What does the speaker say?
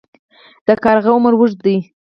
د کارغه عمر اوږد وي